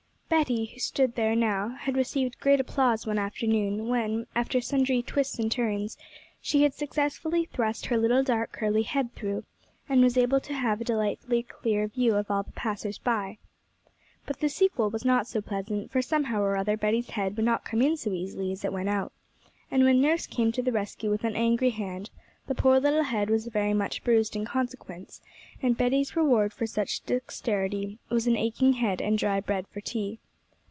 Betty, who stood there now, had received great applause one afternoon when, after sundry twists and turns, she had successfully thrust her little dark curly head through, and was able to have a delightfully clear view of all the passers by. But the sequel was not so pleasant, for somehow or other Betty's head would not come in so easily as it went out, and when nurse came to the rescue with an angry hand, the poor little head was very much bruised in consequence, and Betty's reward for such dexterity was an aching head and dry bread for tea.